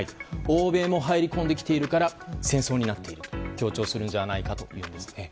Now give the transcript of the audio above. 欧米も入り込んできているから戦争になっていると強調するのではないかというんです。